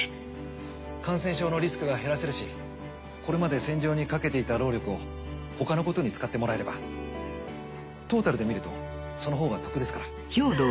感染症のリスクが減らせるしこれまで洗浄にかけていた労力を他のことに使ってもらえればトータルで見るとそのほうが得ですから。